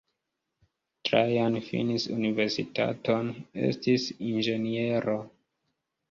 Trajan finis universitaton, estis inĝeniero.